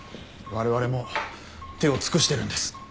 我々も手を尽くしてるんです。